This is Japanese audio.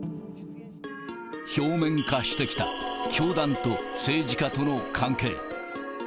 表面化してきた、教団と政治家との関係。